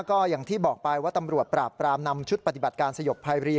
ก็อย่างที่บอกไปว่าตำรวจปราบปรามนำชุดปฏิบัติการสยบภัยรี